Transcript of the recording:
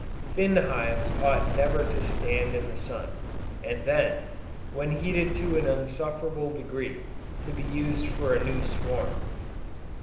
Thin hives ought never to stand in the sun, and then, when heated to an insufferable degree, be used for a new swarm.